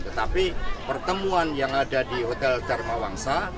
tetapi pertemuan yang ada di hotel dharma wangsa